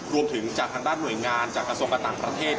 จากทางด้านหน่วยงานจากกระทรวงการต่างประเทศ